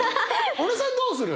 小野さんどうする？